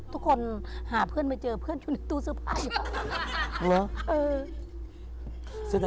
ทุกคนหาเพื่อนไม่เจอเพื่อนอยู่ในตู้เสื้อผ้าอยู่